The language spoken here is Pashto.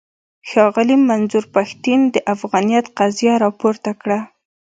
ښاغلي منظور پښتين د افغانيت قضيه راپورته کړه.